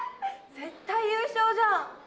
絶対優勝じゃん。